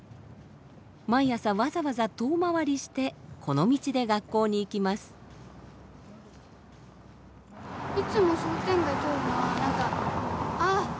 毎朝わざわざ遠回りしてこの道で学校に行きます。